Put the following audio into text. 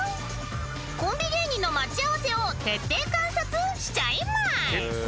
［コンビ芸人の待ち合わせを徹底観察しちゃいます］